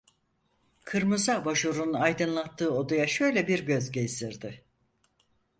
Kırmızı abajurun aydınlattığı odaya şöyle bir göz gezdirdi.